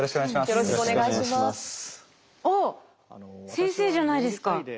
先生じゃないですか。